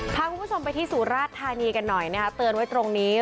พาคุณผู้ชมไปที่สุราชธานีกันหน่อยนะคะเตือนไว้ตรงนี้